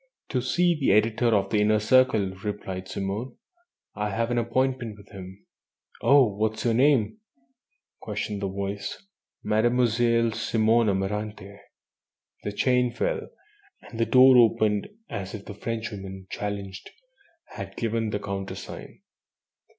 "To see the editor of the Inner Circle," replied Simone. "I have an appointment with him." "Oh! What is your name?" questioned the voice. "Mademoiselle Simone Amaranthe." The chain fell, and the door opened as if the Frenchwoman, challenged, had given the countersign.